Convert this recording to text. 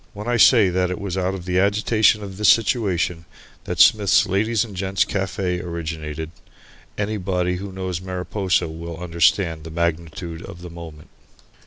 When I say that it was out of the agitation of this situation that Smith's Ladies' and Gent's Cafe originated, anybody who knows Mariposa will understand the magnitude of the moment.